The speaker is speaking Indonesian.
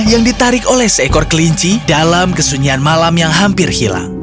yang ditarik oleh seekor kelinci dalam kesunyian malam yang hampir hilang